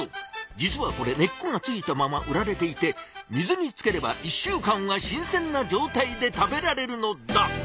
実はこれ根っこが付いたまま売られていて水につければ１週間は新鮮な状態で食べられるのだ！